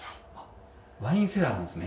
ワインセラーなんですね。